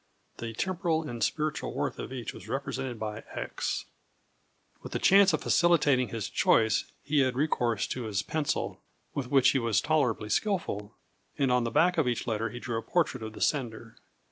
The temporal and spiritual worth of each was represented by x. With the chance of facilitating his choice he had recourse to his pencil, with which he was tolerably skilful, and on the back of each letter he drew a portrait of its sender.